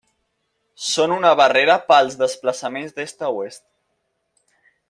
Són una barrera pels desplaçaments d'est a oest.